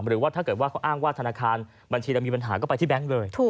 หรือว่าถ้าเกิดว่าเขาอ้างว่าธนาคารบัญชีเรามีปัญหาก็ไปที่แบงค์เลย